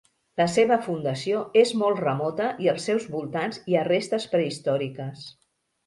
La seva fundació és molt remota i als seus voltants hi ha restes prehistòriques.